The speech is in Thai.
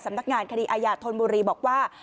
นักงานคดีอาญาธนบุรีบอกว่า